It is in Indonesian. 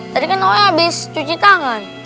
tadi kan gue abis cuci tangan